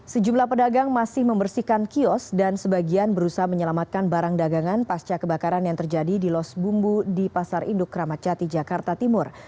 sejumlah pedagang masih membersihkan kios dan sebagian berusaha menyelamatkan barang dagangan pasca kebakaran yang terjadi di los bumbu di pasar induk ramadjati jakarta timur